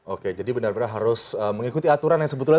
oke jadi benar benar harus mengikuti aturan yang sebetulnya